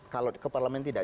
kalau ke parlemen tidak